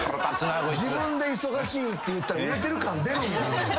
自分で忙しいって言ったら売れてる感出るんだ。